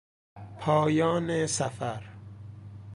پایان سفر